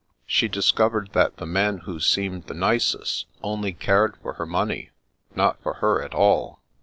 She discovered that the men who seemed the nicest only cared for her money, not for her at all."